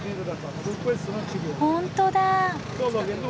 本当だ。